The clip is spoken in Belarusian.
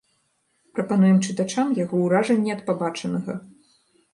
Прапануем чытачам яго ўражанні ад пабачанага.